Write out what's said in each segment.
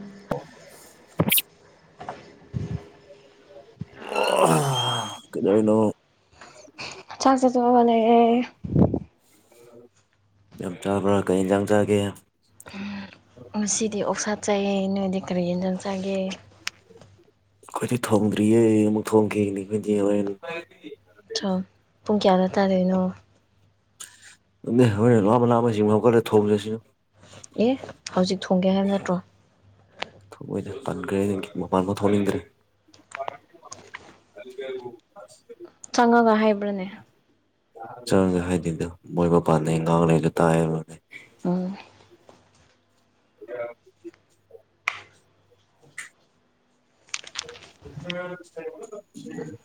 ꯑꯣ ꯀꯩꯅꯩꯅꯣ ꯆꯥꯛ ꯆ ꯇꯂ ꯆ ꯀꯩ ꯆꯪ ꯆꯒꯦ ꯉꯁꯤꯗꯤ ꯑꯣꯛꯁꯥꯠ ꯆꯥꯏꯌꯦ ꯅꯣꯏꯗꯤ ꯀꯔꯤ ꯌꯦꯟꯖꯥꯡ ꯆꯥꯏꯒꯦ ꯑꯩꯈꯣꯏꯗꯤ ꯊꯣꯡꯗ꯭ꯔꯤꯌꯦ ꯑꯃꯨꯛ ꯊꯣꯡꯈꯤꯅꯤ ꯑꯩꯈꯣꯏꯗꯤ ꯍꯦꯟ ꯣ ꯄꯨꯡ ꯀꯌꯥꯗ ꯇꯥꯔꯅꯣ ꯍꯣꯔꯣꯏ ꯂꯕ ꯂꯥꯑ ꯑꯃ ꯆꯤꯡ ꯍꯧꯀꯠꯂꯦ ꯊꯣꯡꯖꯁꯤꯅ ꯑꯦ ꯍꯧꯖꯤꯛ ꯊꯣꯡꯒꯦ ꯍꯥꯏꯕ ꯅꯠꯇ꯭ꯔꯣ ꯃꯣꯏꯗ ꯄꯟꯈ꯭ꯔꯦ ꯃꯄꯥꯟ ꯐ ꯊꯣꯛꯅꯤꯡꯗ꯭ꯔꯦ ꯀ ꯆꯪꯉꯒ ꯍꯥꯏꯕ꯭ꯔꯅꯦ ꯆꯪꯒꯦ ꯍꯥꯏꯗꯤꯗꯣ ꯃꯣꯏ ꯃꯄꯥꯟꯗ ꯉꯥꯡꯉꯩꯗ ꯇꯥꯏꯔꯅꯦ ꯎꯝ ꯑꯣ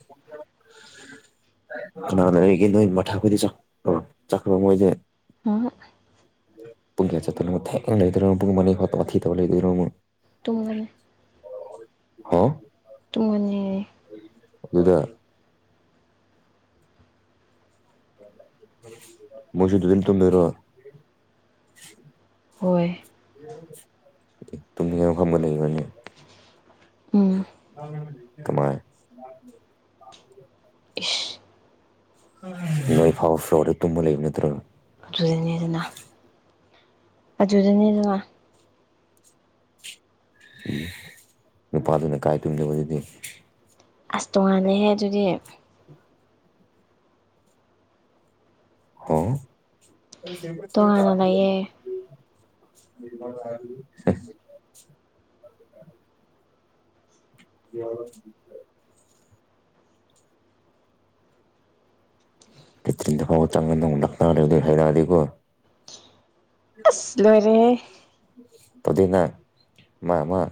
[inaudible] ꯀꯅꯥꯅ ꯑꯩꯒꯤ ꯅꯣꯏ ꯃꯊꯛꯈꯗꯤ ꯆꯈ꯭ꯔ ꯆꯠꯈ꯭ꯔꯣ ꯃꯣꯏꯁꯦ ꯎꯝ ꯄꯨꯡꯌꯥ ꯆ ꯊ ꯂꯩꯨꯡ ꯊꯤ ꯇ ꯂꯩꯣꯏꯔ ꯇꯨꯡꯒꯅꯤ ꯍ ꯇꯨꯝꯒꯅꯤ ꯑꯗꯨꯗ ꯃꯁꯤꯗꯤꯟ ꯇ ꯃꯔꯣ ꯍꯣꯏ ꯇꯨꯅ ꯈꯝꯕ ꯂꯩ ꯃꯅꯤꯅꯦ ꯎꯝ ꯁꯥꯏ ꯏꯁ ꯅꯣꯏ ꯐꯥꯎꯔ ꯁꯔ ꯇꯨꯝꯃ ꯂꯩ ꯏꯕ ꯅꯠꯇ꯭ꯔꯣ ꯑꯗꯨꯗꯅꯤ ꯑꯗꯨꯅ ꯍꯧꯗꯅꯤꯗ ꯎꯝ ꯅꯨꯄꯥꯗꯨꯅ ꯀꯥꯏ ꯇꯨꯝꯗꯕꯗꯨꯗꯤ ꯑꯁ ꯇꯣꯉꯥꯜꯅꯦꯍꯦ ꯑꯗꯨꯗꯤ [unintelligible] ꯇꯣꯉꯥꯟꯅ ꯂꯩꯌꯦ [inaudible] [unintelligible] [inaudible] ꯌꯥꯕ ꯔꯠꯇꯔꯤꯟ ꯍꯣ ꯇꯪꯅ ꯂꯈꯅꯧ ꯂꯩꯔꯗꯤ ꯍꯩꯗꯔꯥꯗꯤꯒꯣ ꯑꯁꯂꯔꯤꯦ ꯇꯗꯨꯅ ꯃꯥ ꯃꯥ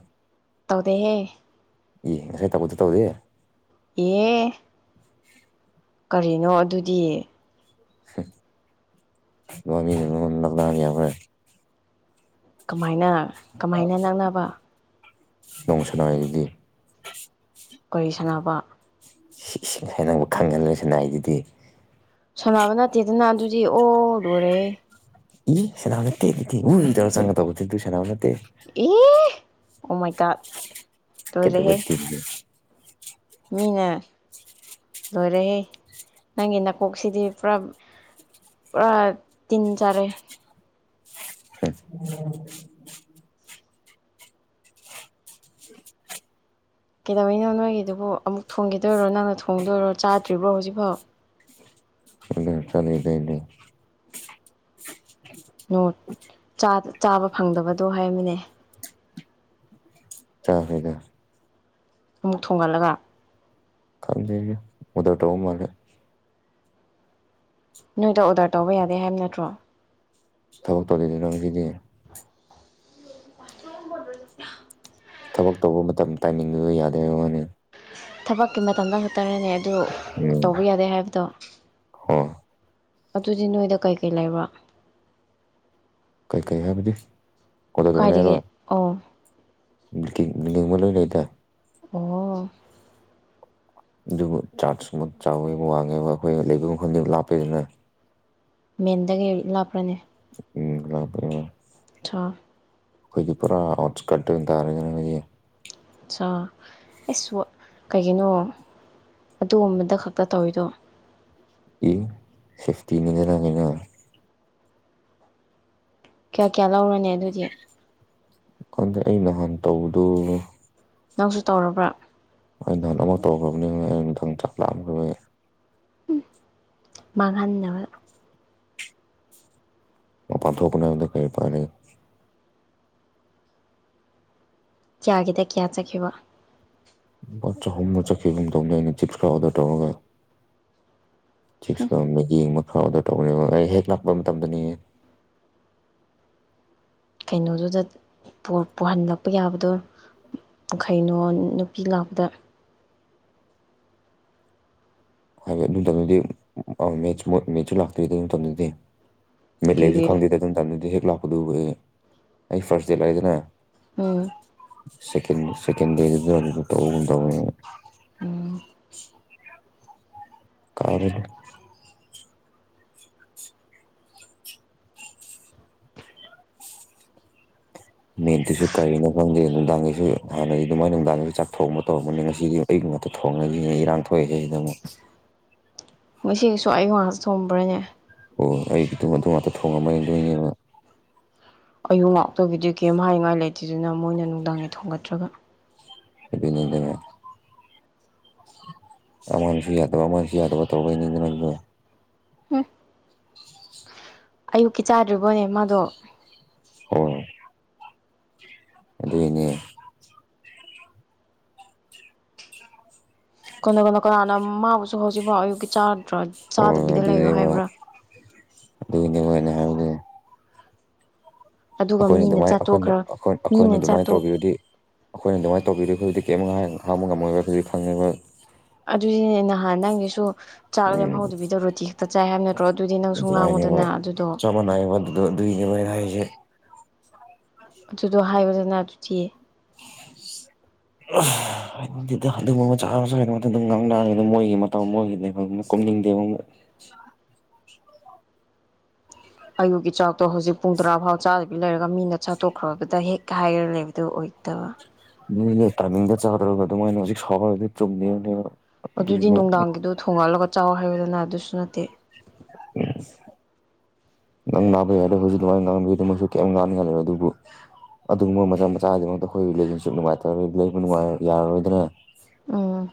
ꯇꯧꯗꯦꯦ ꯏ ꯉꯁꯥꯏ ꯊꯕꯛꯇ ꯇꯧꯗꯦ ꯑꯦ [unintelligible] [inaudible] ꯀꯔꯤꯅꯣ ꯑꯗꯨꯗꯤ [unintelligible] ꯀꯃꯥꯏꯅ ꯀꯃꯥꯏꯅ ꯅꯛꯅꯕ ꯅꯣꯡ ꯁꯅꯥꯏꯗꯤ ꯋꯥꯔꯤ ꯁꯥꯟꯅꯕ ꯁꯤꯁ ꯅꯪꯕꯨ ꯈꯪꯍꯜꯂꯣꯏꯁꯤꯅꯏꯗꯨꯗꯤ ꯁꯣꯂꯅꯕ ꯅꯠꯇꯦꯗꯅ ꯑꯗꯨꯗꯤ ꯑꯣ ꯂꯣꯔꯦ ꯏ ꯁꯅꯥꯥꯟꯅꯠꯇꯦꯤ ꯎ ꯏꯗꯔ ꯆꯪꯒ ꯇꯒꯣꯗꯗꯨ ꯁꯅꯥꯥꯡꯅꯠꯇꯦ ꯑꯦ ꯑꯣꯃꯥꯏꯀꯥ ꯀꯦꯗꯕꯨꯇ ꯃꯤꯟꯅ ꯂꯣꯏꯔꯍꯦ ꯅꯪꯒꯤ ꯅꯥꯀꯣꯛꯁꯤꯗꯤ ꯄꯨꯔꯥ ꯄꯔꯥ ꯇꯤꯟ ꯆꯔꯦ ꯍ [unintelligible] [inaudible] ꯀꯩꯗꯧꯩꯅꯣ ꯅꯣꯏꯒꯤꯗꯨꯕꯨ ꯑꯃꯨꯛ ꯊꯣꯡꯈꯤꯗꯣꯏꯔꯣ ꯅꯪꯅ ꯊꯣꯡꯗꯣꯏꯔꯣ ꯆꯥꯗ꯭ꯔꯤꯕ꯭ꯔꯣ ꯍꯧꯖꯤꯛꯐꯥꯎ ꯆ ꯂꯩ ꯂꯩ ꯂꯩ [unintelligible] [inaudible] ꯆꯥꯕ ꯐꯪꯗꯕꯗꯣ ꯍꯥꯏꯔꯝꯃꯤꯅꯦ ꯆ ꯍꯩꯗ ꯃꯨꯛ ꯊꯣꯡꯒꯠꯂꯒ ꯀꯗ ꯎꯗꯔꯗꯣ ꯃꯥꯔꯦ ꯅꯣꯏꯗ ꯑꯣꯔꯗꯔ ꯇꯧꯕ ꯌꯥꯗꯦ ꯍꯥꯏꯕ ꯅꯠꯇ꯭ꯔꯣ ꯊꯕꯛ ꯇꯧ ꯂꯩꯗꯨ ꯅꯪꯒꯤꯗꯤ [unintelligible] [inaudible] ꯊꯕꯛ ꯇꯧꯕ ꯃꯇꯝ ꯇꯥꯏꯃꯤꯡꯗꯨꯗ ꯌꯥꯗꯔ ꯋꯥꯅꯤ ꯊꯕꯛꯀꯤ ꯃꯇꯝꯗ ꯉꯛꯇꯅꯦꯅꯦ ꯑꯗꯨ ꯎꯝ ꯇꯧꯕ ꯌꯥꯗꯦ ꯍꯥꯏꯕꯗꯣ ꯍꯣ ꯑꯗꯨꯗꯤ ꯅꯣꯏꯗ ꯀꯩꯀꯩ ꯂꯩꯕ ꯀꯩꯀꯩ ꯍꯥꯏꯕꯗꯤ ꯑꯣꯀꯥꯏꯖꯒꯦ ꯑꯣ ꯕꯤꯡ ꯕꯤꯜꯗꯤꯡ ꯑꯃ ꯂꯣꯏ ꯂꯩꯗ ꯑꯣ ꯑꯗꯨꯕꯨ ꯆꯥꯔꯖ ꯑꯃ ꯆꯥꯎꯋꯦꯕ ꯋꯥꯡꯉꯦꯕ ꯑꯩꯈꯣꯏ ꯂꯩꯕ ꯈꯟꯗꯕ ꯂꯥꯞꯄꯗꯅ ꯃꯦꯟꯗꯒꯩ ꯂꯥꯞꯄ꯭ꯔꯅꯦ ꯎꯝꯄꯦ ꯆ [unintelligible] [inaudible] ꯑꯩꯈꯣꯏꯒꯤ ꯄꯨꯔꯥ ꯑꯥꯎꯠꯀꯠ ꯑꯣꯏꯅ ꯇꯥꯔꯦꯗꯤꯅ ꯍꯥꯏꯈꯣꯏꯒꯤ ꯑꯆꯥꯥ ꯑꯩꯁꯨ ꯀꯩꯒꯤꯅꯣ ꯑꯗꯨꯒꯨꯝꯕꯗ ꯈꯛꯇ ꯇꯧꯔꯤꯗꯣ ꯏ ꯁꯦꯐꯇꯤꯅꯦꯗꯅꯉꯩꯅ ꯀꯌꯥ ꯀꯌꯥ ꯂꯧꯔꯅꯤ ꯑꯗꯨꯗꯤ ꯀꯥꯟꯗ ꯑꯩ ꯅꯍꯥꯟ ꯇꯧꯕꯗꯣ ꯅꯪꯁꯨ ꯇꯧꯔꯕ꯭ꯔꯥ ꯑꯩ ꯅꯍꯥꯟ ꯑꯃ ꯇꯧꯈ꯭ꯔꯕꯅꯤ ꯑꯩꯩꯅ ꯃꯊꯪ ꯆꯥꯛ ꯂꯥꯛꯑꯝꯈꯕ ꯎꯝ ꯃꯥꯕ ꯑꯄꯥ ꯊꯄꯅꯦ ꯀꯩ ꯄꯅꯤ ꯀꯌꯥꯒꯤꯗ ꯀꯌꯥ ꯆꯠꯈꯤꯕ ꯕꯆꯥ ꯍꯣꯅ ꯆꯈꯤꯦꯒꯨꯝ ꯇꯧꯗ ꯑꯩꯅ ꯆꯤꯛꯀꯥ ꯑꯣꯗꯔ ꯇꯧꯔꯒ ꯆꯁꯀꯣꯝꯃꯤꯒꯤ ꯍꯥꯎ ꯑꯗꯨ ꯇꯧꯕꯅꯤ ꯑꯩ ꯍꯦꯛ ꯂꯥꯛꯄ ꯃꯇꯝꯗꯅꯤꯌꯦ ꯀꯩꯅꯣꯗꯨꯗ ꯄꯍꯜꯂꯛꯄ ꯌꯥꯕꯗꯣ ꯀꯩꯅꯣ ꯅꯨꯄꯤ ꯉꯥꯛꯄꯗ ꯍꯥꯏꯕ ꯗꯤ ꯃꯦꯠꯆꯨ ꯂꯥꯛꯇ꯭ꯔꯤꯗꯤ ꯅꯨꯡꯇꯗꯨꯗꯤ ꯃꯤꯠꯂꯕꯁꯨ ꯑꯦ ꯈꯪꯗꯦꯗ ꯑꯗꯨꯝ ꯇꯝꯗꯗꯤ ꯍꯦꯛ ꯂꯥꯛꯄꯗꯨꯕꯨ ꯑꯩ ꯐꯥꯔꯁ ꯗꯦꯠ ꯂꯥꯛꯏꯗꯅ ꯎꯝ ꯁꯀꯦꯟꯀꯦꯟ ꯗ ꯇꯧꯕꯗ ꯎꯝ ꯀꯔꯤ ꯃꯤꯦꯠꯇꯨꯁꯨ ꯀꯔꯤꯅꯣ ꯈꯪꯗꯦ ꯅꯨꯡꯗꯥꯡꯒꯤꯁꯨ ꯍꯥꯟꯅꯗꯤ ꯑꯗꯨꯃꯥꯏ ꯅꯨꯡꯗꯥꯡꯒꯤꯁꯨ ꯆꯥꯛ ꯊꯣꯡꯑꯕ ꯇꯧꯔꯝꯕꯅꯦ ꯉꯁꯤꯗꯤ ꯊꯣꯡꯉꯁꯤꯅ ꯏꯔꯥꯡ ꯊꯣꯛꯏꯈꯩꯁꯤꯗ ꯑꯃꯨꯛ ꯉꯁꯨ ꯑꯩ ꯉꯍꯥꯛꯇ ꯊꯣꯕ꯭ꯔꯅꯦ ꯑꯣ ꯑꯩꯒꯤ ꯑꯗꯨꯝ ꯑꯗꯨ ꯉꯥꯛꯇ ꯊꯣꯡꯉꯃ ꯌꯦꯡꯗꯣꯏꯅꯦꯕ ꯑꯌꯨ ꯉꯥꯛꯇꯒꯤꯗꯤ ꯀꯩꯝ ꯍꯥꯏꯉꯥꯏ ꯂꯩꯇ꯭ꯗꯨꯅ ꯃꯣꯏꯅ ꯅꯨꯡꯗꯥꯡꯒꯤ ꯊꯣꯡꯒꯠꯇ꯭ꯔꯒ ꯑꯗꯨꯗꯅꯦ ꯑꯃꯥꯡꯁꯨ ꯌꯥꯗ ꯑꯃꯥꯡꯁꯨ ꯌꯥꯗꯕ ꯇꯧꯗꯅꯗ ꯎꯝ ꯑꯌꯨꯛꯀꯤ ꯆꯥꯗ꯭ꯔꯤꯕꯣꯅꯦ ꯃꯥꯗꯣ ꯑꯣ ꯑꯗꯨꯅꯦ ꯀꯩꯅꯣ ꯀꯅ ꯀ ꯑꯅꯃꯥꯎꯁꯦ ꯍꯧꯖꯤꯛꯐꯥꯎ ꯑꯌꯨꯛꯀꯤ ꯆꯥꯗ꯭ꯔ ꯍꯣꯏ ꯆꯥꯗꯕꯤꯗ ꯂꯩꯌꯣ ꯑꯗꯨꯅꯦꯕ ꯍꯥꯏꯕ꯭ꯔꯥ ꯑꯗꯨꯒꯤꯅꯦꯕ ꯑꯩꯅ ꯍꯥꯏꯕꯗꯤ ꯑꯗꯨꯒ ꯑꯩꯈꯣꯏꯅ ꯃꯤꯅ ꯑꯗꯨꯃꯥꯏꯅ ꯑꯩꯈꯣꯏꯅ ꯆꯥꯠꯇꯣꯛꯈ꯭ꯔ ꯑꯩꯈꯣꯏꯅ ꯃꯤꯅ ꯑꯗꯨꯃꯥꯏꯅ ꯆꯥꯠꯇꯣꯛ ꯇꯧꯕꯤꯔꯗꯤ ꯑꯩꯈꯣꯏꯅ ꯑꯗꯨꯃꯥꯏꯅ ꯇꯧꯕꯤꯔ ꯍꯧꯖꯤꯛꯇꯛ ꯀꯔꯤ ꯍꯥꯡꯕ ꯉꯝꯃꯣꯏꯕ ꯍꯧꯖꯤꯛ ꯈꯪꯉꯤꯕ ꯑꯗꯨꯅꯦ ꯅꯍꯥꯟ ꯅꯪꯒꯤꯁꯨ ꯆꯥꯛ ꯎꯝ ꯂꯦꯝꯍꯧꯗꯕꯤꯗ ꯔꯣꯇꯤ ꯈꯦꯛꯇ ꯆꯥꯏ ꯍꯥꯏꯕ ꯅꯠꯇ꯭ꯔꯣ ꯑꯗꯨꯗꯤ ꯅꯪ ꯁꯨꯡ ꯉꯥꯡꯉꯨꯗꯅ ꯑꯗꯨꯗꯣ ꯒꯤꯃꯩ ꯔ ꯍꯥꯏꯁꯦ ꯑꯗꯨꯗꯣ ꯍꯥꯏꯕꯗꯅ ꯑꯗꯨꯗꯤꯌꯦ [inaudible] ꯑꯗꯨꯒꯨꯝꯕ ꯃꯆꯥ ꯃꯆꯥ ꯑꯗꯨꯝ ꯉꯥꯡꯅꯦ ꯑꯗꯨꯝ ꯃꯣꯏꯒꯤ ꯃꯇꯧ ꯃꯣꯏꯒꯤ ꯂꯩꯕ ꯀꯅꯤꯡꯗꯦ ꯑꯌꯨꯛꯀꯤ ꯆꯥꯛꯇꯣ ꯍꯧꯖꯤꯛ ꯄꯨꯡ ꯇꯔꯥꯐꯥꯎ ꯆꯥꯗꯕꯤ ꯂꯩꯔꯒ ꯃꯤꯅ ꯆꯥꯠꯇꯣꯛꯈ꯭ꯔꯕꯗ ꯍꯦꯛ ꯍꯥꯏꯔ ꯂꯩꯦꯕꯗ ꯑꯣꯏ ꯎꯠꯇꯕ ꯅꯣꯏꯅꯦ ꯇꯥꯏꯃꯤꯡꯗ ꯆꯥꯗ꯭ꯔꯕ ꯑꯗꯨꯣ ꯃꯣꯏꯅ ꯍꯧꯖꯤꯛ ꯁꯔꯗꯤ ꯆꯨꯝꯗꯕꯅꯦ ꯑꯗꯨꯗꯤ ꯅꯨꯡꯗꯥꯡꯒꯤꯗꯣ ꯊꯣꯡꯉꯠꯂꯒ ꯆꯥꯎ ꯍꯥꯏꯕꯗꯅ ꯑꯗꯨꯁꯨ ꯅꯠꯇꯦ [inaudible] ꯉꯪ ꯅꯥꯕꯩ ꯌꯥꯏꯗꯣ ꯍꯧꯖꯤꯛ ꯑꯗꯨꯃꯥꯏꯅ ꯉꯥꯡꯕꯒꯤꯗ ꯃꯁꯨ ꯀꯩꯝ ꯉꯥꯡꯅꯤ ꯈꯜꯂꯔꯣ ꯑꯗꯨꯕꯨ ꯑꯗꯨꯒꯨꯝꯕ ꯃꯆꯥ ꯃꯆꯥꯗꯤꯃꯛꯇ ꯑꯩꯈꯣꯏ ꯔꯤꯂꯦꯁꯟꯁꯤꯞ ꯅꯨꯡꯉꯥꯏꯇ ꯂꯩꯕ ꯥꯏ ꯌꯥꯔꯔꯣꯏꯗꯅ ꯎ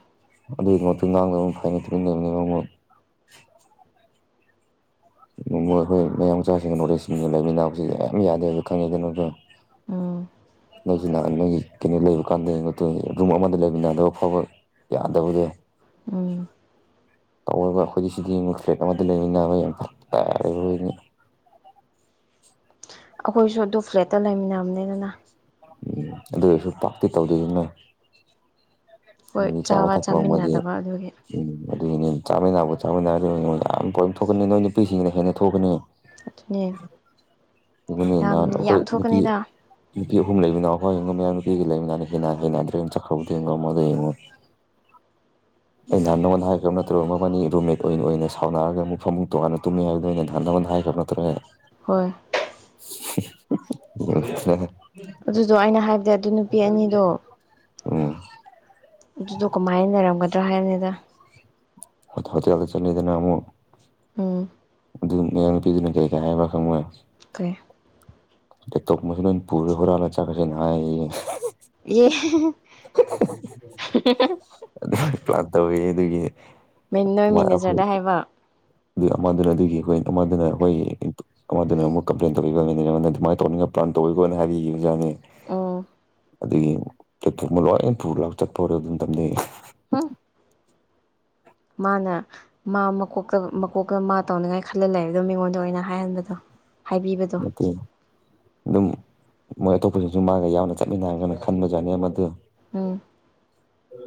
ꯑꯗꯨꯗ ꯃꯠꯇ ꯉ ꯐꯥꯏꯩꯅ ꯇꯅꯤꯉ ꯃꯣꯏ ꯑꯩꯈꯣꯏ ꯃꯌꯥꯝ ꯃꯆꯥꯁꯤꯡ ꯅꯣꯂꯦꯖꯁꯤꯡ ꯂꯩꯃꯤꯟꯅꯕꯁꯤ ꯌꯥꯝ ꯌꯥꯗꯦ ꯍꯥꯏꯕ ꯈꯪꯉꯤ ꯑꯗꯨꯅ [inaudible] ꯎꯝ ꯅꯪꯁꯨ ꯅꯪꯒꯤ ꯀꯩꯅꯣ ꯂꯩꯕ ꯀꯥꯟꯗ ꯔꯨꯝ ꯑꯃꯗ ꯂꯩꯕ ꯅꯥꯗꯕ ꯐꯥꯎꯕ ꯌꯥꯗꯕꯨꯗꯤ ꯎꯝ ꯇꯧꯔꯒ ꯑꯩꯈꯣꯏꯗꯤ ꯁꯤꯗꯤꯣꯏ ꯊ꯭ꯔꯦꯠ ꯑꯃꯠꯇ ꯂꯩꯅꯤ ꯑꯩ ꯌꯥꯝ ꯐ ꯇꯥꯦꯅꯤ [inaudible] ꯑꯩꯈꯣꯏꯁꯨ ꯑꯗꯨ ꯐ꯭ꯂꯦꯠꯇ ꯂꯩꯃꯤꯟꯅꯕꯅꯤꯅꯅ ꯎꯝ ꯑꯗꯨꯗꯁꯨ ꯄꯥꯛꯇꯤ ꯇꯧꯗꯣꯏꯁꯤꯅꯦ ꯍꯣꯏ ꯎꯝ ꯆꯥꯎꯥ ꯆꯥꯕ ꯊꯛ ꯃ ꯃ ꯆꯥꯃꯤꯟꯅꯗꯕ ꯑꯗꯨꯒꯤ ꯎꯝ ꯑꯗꯨꯒꯤꯅꯤ ꯆꯥꯃꯤꯟꯅꯕ ꯆꯥꯃꯤꯟꯅꯔ ꯑꯗꯨ ꯑꯩꯉꯣꯟꯗ ꯌꯥꯝ ꯄꯣꯏꯝ ꯊꯣꯛꯀꯅꯤ ꯅꯣꯏ ꯅꯨꯄꯤꯁꯤꯡꯁꯤꯅ ꯍꯦꯟꯅ ꯊꯣꯛꯀꯅꯤ ꯅꯤ ꯑꯗꯨꯅꯤꯅ ꯑꯩꯈꯣꯏ ꯅꯨꯄꯤ ꯅꯨꯄꯤ ꯑꯍꯨꯝ ꯂꯩꯕꯅ ꯑꯩꯈꯣꯏ ꯃꯌꯥꯝꯅ ꯀꯤꯒ ꯂꯩꯃꯤꯅ ꯍꯅꯥ ꯍꯅꯥꯗ꯭ꯔꯔꯤ ꯆꯈꯗꯒꯣ ꯃꯗꯉꯣ ꯑꯩꯅꯍꯥꯟꯃꯣꯟ ꯍꯥꯏꯈ꯭ꯔꯕ ꯅꯠꯇ꯭ꯔꯕ ꯃꯅꯤ ꯔꯨꯝꯃꯦꯠ ꯑꯣꯏꯅ ꯁꯥꯎꯅꯔꯒꯨꯛ ꯐꯃꯨ ꯇꯣꯉꯥꯟꯅ ꯇꯨꯝꯃꯦ ꯍꯥꯏꯕꯗꯨꯗ ꯑꯩꯅ ꯅꯍꯥꯟꯃꯜ ꯍꯥꯏ ꯍꯥꯏꯥꯏꯐꯞꯅꯠꯇꯧꯒꯦ ꯍꯣꯏ [inaudible] ꯑꯗꯨꯗꯣ ꯑꯩꯅ ꯍꯥꯏꯕꯗꯤ ꯑꯗꯨ ꯅꯨꯄꯤ ꯑꯅꯤꯗꯣ ꯑꯣ ꯑꯗꯨꯗꯣ ꯀꯃꯥꯏꯅ ꯂꯩꯔꯝꯒꯗ꯭ꯔꯣ ꯍꯥꯏꯅꯤꯗ ꯍ ꯍꯧ ꯀꯗ ꯆꯠꯗꯅ ꯑꯃꯨ ꯎꯝ ꯑꯗꯨ ꯃꯌꯥꯝ ꯅꯨꯄꯤꯗꯨꯅ ꯀꯩ ꯀ ꯍꯥꯏꯕ ꯈꯪꯉꯣꯏ ꯀꯩ ꯇꯣꯛꯞ ꯃꯁ ꯄꯨꯔꯦ ꯍꯔꯂ ꯆꯀꯁꯤꯦ ꯅ ꯌꯦ ꯇꯧꯋꯤ ꯑꯗꯨꯒꯤ ꯅꯣꯏ ꯑꯩꯈꯣꯏ ꯃꯦꯅꯦꯖꯔꯗ ꯍꯥꯏꯕ ꯑꯗꯨ ꯑꯃꯗꯨꯅ ꯑꯗꯨꯒꯤꯣꯏ ꯑꯃꯗꯨꯅ ꯑꯩꯈꯣꯏꯒꯤ ꯑꯃꯗꯨꯅ ꯑꯃꯨꯛ ꯀꯝꯄ꯭ꯂꯦꯟ ꯇꯧꯕꯤ ꯑꯗꯨꯃꯥꯏꯅ ꯇꯧꯅꯤꯡ ꯄꯥꯟ ꯇꯋꯤꯀꯣꯅ ꯍꯥꯏꯕꯤꯈꯤꯕ ꯑꯣꯖꯥꯅꯦ ꯑ ꯑꯗꯒꯤ ꯆꯊꯣꯛꯃ ꯂꯣꯏ ꯄꯨ ꯂ ꯆꯠꯄ ꯍꯧꯔꯣ ꯑꯗꯨꯝ ꯇꯝꯖꯩ ꯍꯥ ꯃꯥꯅ ꯃꯥ ꯃꯀꯣꯛꯇ ꯃꯀꯣꯛꯇ ꯃꯥ ꯇꯧꯅꯉꯥꯏ ꯈꯜꯂ ꯂꯩꯕꯗꯣ ꯃꯤꯉꯣꯟꯗ ꯑꯣꯏꯅ ꯍꯥꯏꯍꯟꯕꯗꯣ ꯍꯥꯏꯕꯤꯕꯗꯣ ꯅ ꯑꯗꯨ ꯑꯗꯨꯝ ꯃꯣꯏ ꯑꯇꯣꯞꯄꯁꯤꯡꯁꯨ ꯃꯥꯒ ꯌꯥꯅ ꯆꯠꯃꯤꯟꯅꯔꯒꯅ ꯈꯟꯕꯖꯥꯅꯤ ꯃꯗꯨ ꯎꯝ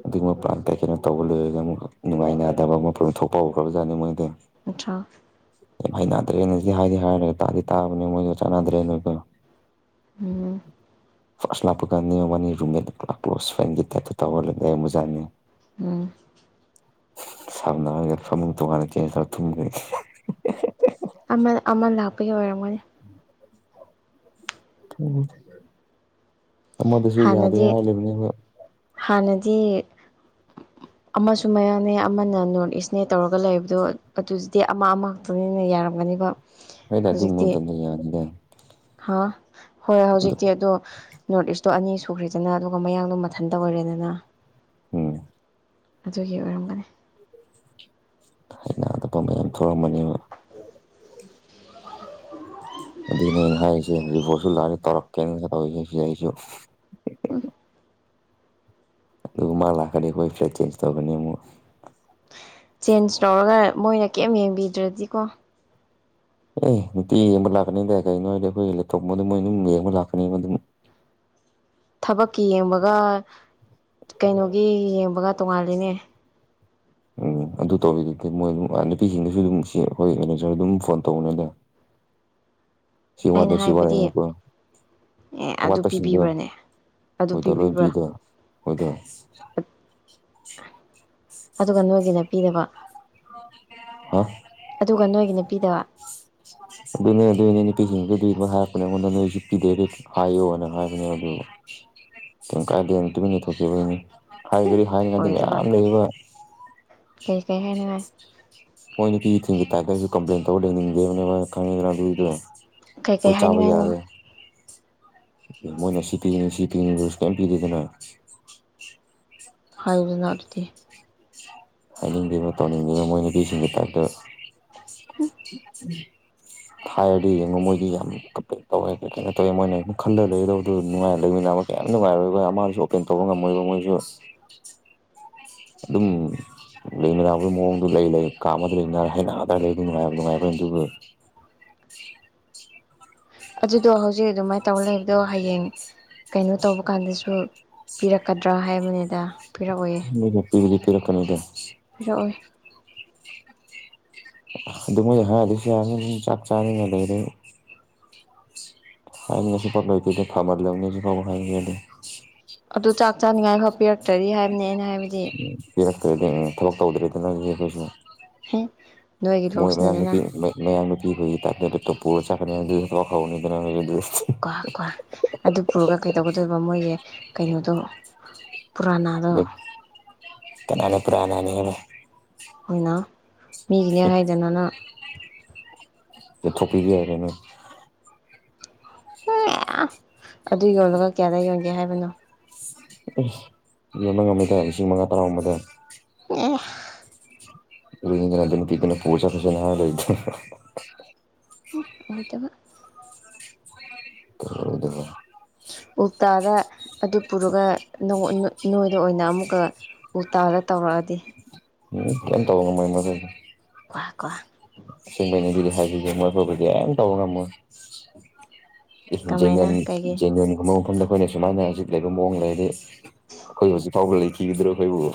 ꯑꯗꯨꯒꯨꯝꯕꯥꯟ ꯀꯩ ꯀꯩꯅꯣ ꯇꯧꯕ ꯂꯣꯏꯔꯒ ꯑꯃꯨꯛ ꯅꯨꯡꯉꯥꯏꯅꯗꯕ ꯃꯐꯝ ꯊꯣꯛꯄ ꯍꯧꯈ꯭ꯔꯕꯖꯠꯅꯤ ꯃꯣꯏꯗ ꯅꯠꯇ꯭ꯔꯥ ꯍꯥꯏ ꯗ꯭ꯔꯦꯅ ꯁꯤ ꯍꯥꯏꯗꯤ ꯍꯥꯏꯔꯒ ꯇꯥꯗꯤ ꯥꯕꯅꯤ ꯃ ꯆꯅꯥꯗ꯭ꯔꯦ ꯅ ꯎꯝ ꯐꯥꯔꯁ ꯂꯥꯞꯄꯀꯥꯟꯅꯤ ꯋꯥꯅꯤ ꯔꯨꯝꯃꯦ ꯄꯨꯔꯥ ꯀ꯭ꯂꯣꯁ ꯐ꯭ꯔꯦꯟꯒꯤ ꯇꯠꯇ ꯇꯧꯍꯜꯂꯏ ꯃꯨꯖꯥꯅꯤ ꯎꯝ ꯁꯝꯅꯒ ꯁꯃꯨ ꯇꯣꯉꯔ ꯆ ꯊꯨꯡ ꯑꯃ ꯑꯃ ꯂꯥꯛꯄꯒꯤ ꯑꯣꯏꯔꯝꯒꯅꯤ ꯎ ꯃꯗꯁꯨ ꯌꯥꯗꯦ ꯍꯥꯟꯅꯗꯤ ꯍꯥꯏꯂꯕꯅꯦ ꯍꯥꯟꯅꯗꯤ ꯎ ꯑꯃꯁꯨ ꯃꯌꯥꯅꯦ ꯑꯃꯅ ꯅꯣꯔꯠ ꯏꯁꯅꯦ ꯇꯧꯔꯒ ꯂꯩꯕꯗꯣ ꯑꯗꯨꯗꯤ ꯑꯃ ꯑꯃꯈꯛꯇꯅꯤꯅ ꯌꯥꯔꯝꯒꯅꯦꯕ ꯍꯗ ꯑꯗꯨꯃꯗꯦ ꯍꯥꯥꯎ ꯍꯣꯏꯣꯏ ꯍꯧꯖꯤꯛꯇꯤ ꯑꯗꯣ ꯅꯣꯔꯠ ꯏꯁꯇꯣ ꯑꯅꯤ ꯁꯨꯈ꯭ꯔꯦꯗꯅ ꯑꯗꯨꯒ ꯃꯌꯥꯡꯗꯣ ꯃꯊꯟꯇ ꯑꯣꯏꯔꯦꯗꯅ ꯎꯝ ꯑꯗꯨꯒꯤ ꯑꯣꯏꯔꯝꯒꯅꯤ ꯑꯩꯅ ꯑꯇꯣꯞꯄ ꯃꯌꯥꯝ ꯊꯣꯛꯔꯝꯑꯥꯃꯅꯤꯕ ꯅꯦ ꯍꯥꯏꯁꯦꯔꯤꯁꯜꯥꯔ ꯇꯔꯛꯀ ꯇ ꯁꯤꯁꯨ ꯗ ꯑꯗꯨꯒ ꯃꯥ ꯂꯥꯛꯀꯅꯤ ꯑꯩꯈꯣꯏ ꯐ꯭ꯂ ꯆꯦꯟꯖ ꯇꯧꯒꯅꯤ ꯑꯃꯨꯛ ꯆꯦꯟꯖ ꯇꯧꯔꯒ ꯃꯣꯏꯅ ꯀꯔꯤꯝ ꯌꯦꯡꯕꯤꯗ꯭ꯔꯗꯤꯀꯣ ꯑꯦ ꯅꯨꯡꯇꯤ ꯌꯦꯡꯕ ꯂꯥꯛꯀꯅꯤꯗꯗꯥꯏ ꯀꯩꯅꯣ ꯍꯥꯏꯗꯤ ꯑꯩꯈꯣꯏ ꯂꯦꯞꯇꯣꯞ ꯑꯗꯨ ꯃꯣꯏ ꯑꯗꯨꯝ ꯌꯦꯡꯕ ꯂꯥꯛꯀꯅꯤ ꯑꯗꯨꯝ ꯗ ꯊꯕꯛꯀꯤ ꯌꯦꯡꯕꯒ ꯀꯩꯅꯣꯒꯤ ꯌꯦꯡꯕꯒ ꯇꯣꯉꯥꯜꯂꯤꯅꯦ ꯑꯣ ꯑꯗꯨ ꯇꯧꯕꯤꯗꯨꯒꯦ ꯃꯣꯏ ꯑꯗꯨꯝ ꯅꯨꯄꯤꯁꯤꯡꯗꯁꯨ ꯑꯗꯨꯝ ꯁꯤ ꯑꯩꯈꯣꯏ ꯃꯦꯅꯦꯖꯔ ꯑꯗꯨꯝ ꯐꯣꯟ ꯇꯧꯕꯅꯦꯗ ꯁꯤ ꯑꯩꯅ ꯋꯥꯠꯂꯦ ꯁꯤ ꯋꯥꯠꯂꯦ ꯍꯥꯏꯕꯗꯤ ꯍꯥꯏꯕꯥꯗꯣ ꯑꯦ ꯑꯗꯨ ꯄꯤꯕꯤꯕꯥꯅꯦ ꯍꯣꯏꯗ ꯂꯣꯏ ꯄꯤꯗ ꯍꯣꯏꯗ ꯑꯗꯨꯒ ꯅꯣꯏꯒꯤꯅ ꯄꯤꯅꯕ ꯍꯥ ꯑꯗꯨꯒ ꯅꯣꯏꯒꯤ ꯅꯨꯄꯤꯗꯕ ꯑꯗꯨꯅꯦ ꯑꯗꯨꯅꯦ ꯅꯨꯄꯤꯁꯤꯡꯗꯨ ꯑꯗꯨ ꯍꯥꯏꯔꯛꯄꯅꯦ ꯑꯩꯉꯣꯟꯗ ꯅꯣꯏꯁꯨ ꯄꯤꯗꯦ ꯍꯥꯏꯌꯣꯅ ꯍꯥꯏꯕꯅꯦ ꯑꯗꯨ ꯀ ꯀꯥꯏꯗꯦ ꯇꯨꯃꯤꯟ ꯂꯩꯊꯣꯛꯈꯤꯕꯅꯤ ꯍꯥꯏꯒꯔꯤ ꯍꯗꯤ ꯑꯣꯏꯗꯕ ꯃꯌꯥꯝ ꯂꯩꯕ ꯀꯩ ꯀꯩ ꯍꯥꯏꯅꯤꯡꯉꯥꯏ ꯃꯣꯏ ꯅꯨꯄꯤ ꯊꯤꯝ ꯒꯤ ꯇꯨꯄꯦ ꯑꯦꯁꯨ ꯀꯄ꯭ꯂꯂꯦꯟ ꯊꯧꯅꯤꯕ ꯇꯕꯨ ꯀꯩ ꯀꯩ ꯍꯥꯏꯅꯤꯡꯉꯥꯏꯅꯣ ꯒꯨ ꯍꯥꯏꯌꯨꯗꯥꯅ ꯑꯗꯨꯗꯤ ꯍꯥꯏꯅꯤꯡꯕ ꯑꯃ ꯇꯧꯅꯤꯡꯉꯤꯕ ꯃꯣꯏꯅꯄꯤꯁꯤꯡꯒꯤ ꯇꯥꯏꯞꯇ ꯍꯥꯏꯔꯗꯤ ꯌꯦꯡꯉꯣ ꯃꯣꯏꯗꯤ ꯌꯥꯝ ꯀ ꯇꯧꯋꯦ ꯀꯩꯅꯣ ꯇꯧꯋꯦ ꯃꯣꯏꯅ ꯈꯜꯗ ꯂꯩꯒꯗꯕꯗꯨꯣ ꯅꯨꯡꯉꯥꯏꯔ ꯂꯩꯃꯤꯟꯅ ꯌꯥꯝ ꯅꯨꯡꯉꯥꯏꯔꯣꯏ ꯑꯩꯈꯣꯏ ꯑꯃꯁꯨ ꯑꯣꯄꯦꯟ ꯇꯧꯕ ꯉꯝꯃꯣꯏꯕ ꯃꯣꯏꯁꯨ ꯑꯗꯨꯝ ꯂꯩꯅꯕꯒꯤ ꯃꯑꯣꯡꯗꯨ ꯂꯩ ꯀꯥ ꯑꯃꯗ ꯂꯩꯅ ꯍꯩꯗ ꯂꯩ ꯅꯨꯡꯉꯥꯏꯕ ꯅꯨꯡꯉꯥꯏꯕꯅꯤ ꯑꯗꯨꯕꯨ ꯁꯤ ꯑꯗꯨꯗꯣ ꯍꯧꯖꯤꯛ ꯑꯗꯨꯃꯥꯏꯅ ꯇꯧꯔ ꯂꯩꯕꯗꯣ ꯍꯌꯦꯡ ꯀꯩꯅꯣ ꯇꯧꯕ ꯀꯥꯟꯗꯁꯨ ꯄꯤꯔꯛꯀꯗ꯭ꯔꯥ ꯍꯥꯏꯕꯅꯤꯗ ꯄꯤꯔꯛꯑꯣꯏꯌꯦ ꯄꯤꯔꯛꯇꯔꯀꯅꯗ ꯇꯛꯑꯣ ꯑꯣꯏ ꯑꯗꯨ ꯃꯣꯏꯗꯤ ꯍꯥꯏꯗꯤꯁꯨ ꯌꯥꯅꯤ ꯑꯗꯨꯝ ꯆꯥꯛ ꯆꯥꯅꯤꯡꯅ ꯂꯩꯔꯦ ꯍꯥꯏꯥꯏꯅꯦꯁꯨ ꯐꯥꯎ ꯂꯣꯏꯈꯤꯗꯣ ꯈꯥꯕꯔ ꯂꯧꯅꯦꯁꯨ ꯐꯥꯎ ꯍꯥꯏꯥꯏ ꯑꯗꯨ ꯑꯗꯨ ꯆꯥꯛ ꯆꯥꯅꯤꯉꯥꯏ ꯐꯥꯎ ꯄꯤꯔꯛꯇꯔꯗꯤ ꯍꯥꯏꯕꯅꯦ ꯑꯩꯅ ꯍꯥꯏꯕꯗꯤ ꯀ ꯊꯕꯛ ꯇꯧꯗ꯭ꯔꯦꯗꯅꯗꯤ ꯑꯩꯈꯣꯏꯁꯨ ꯍꯦ ꯅꯣꯏꯒꯤ ꯃꯣꯏ ꯂꯣꯁꯅꯤꯗꯅ ꯃꯌꯝꯕꯒꯤ ꯀꯈꯦ ꯅ ꯇꯣ ꯄꯨꯣꯔ ꯆꯥꯛꯅꯤ ꯄ ꯈꯥꯎꯅꯤꯗꯅ ꯀꯣ ꯀꯣ ꯑꯗꯨ ꯄꯨꯔꯒ ꯀꯩꯗꯧꯒꯗꯣꯏꯕ ꯃꯣꯏꯒꯤ ꯀꯩꯅꯣꯗꯣ ꯄꯨꯔꯥꯅꯥꯗꯣ ꯀꯅ ꯄꯨꯔꯥꯅꯥꯅꯤꯅ ꯑꯣꯏꯅ ꯃꯤꯒꯤꯅꯦ ꯍꯥꯏꯗꯅꯅ ꯏ ꯊꯣꯄꯤꯒꯔꯅ ꯑꯗꯨ ꯌꯣꯜꯂꯒ ꯀꯌꯥꯗ ꯌꯣꯟꯒꯦ ꯍꯥꯏꯕꯅꯣ ꯌ ꯑꯃ ꯑꯃꯗ ꯂꯤꯁꯤꯡ ꯃꯉꯥ ꯇꯔꯥ ꯒꯨꯟꯕꯗ ꯑꯣꯍ ꯔꯍꯤ ꯀꯗꯅ ꯄ ꯀꯅ ꯄꯣꯁ ꯐꯖꯅꯗ ꯑꯣꯏꯣꯏꯗꯕ ꯗ ꯎꯜꯇꯥꯗ ꯑꯗꯨ ꯄꯨꯔꯒ ꯑꯗ ꯑꯣꯏꯅ ꯑꯃꯨꯛꯀ ꯎ ꯇꯥꯜꯒ ꯇꯧꯔꯛꯑꯗꯤ ꯎꯝ ꯀ ꯇꯧꯕ ꯉ ꯃꯥꯏ ꯃꯦ [unintelligible] ꯁꯦꯡꯕꯅꯤ ꯑꯗꯨꯗꯤ ꯍꯥꯏꯁꯤꯁꯦ ꯃꯣꯏ ꯐꯕꯨꯗꯤ ꯑ ꯇꯧꯕ ꯉꯝꯃꯣꯏ [unintelligible] ꯀꯃꯥꯏꯅ ꯀꯩꯒꯤ [inaudible] ꯑꯩꯈꯣꯏꯅ ꯁꯨꯃꯥꯏꯅ ꯍꯧꯖꯤꯛ ꯂꯩꯕ ꯃꯑꯣꯡ ꯂꯩꯔꯗꯤ ꯑꯩꯈꯣꯏ ꯍꯧꯖꯤꯛ ꯐꯥꯎꯕ ꯂꯩꯈꯤꯒꯗ꯭ꯔꯥ ꯑꯩꯈꯣꯏꯕꯨ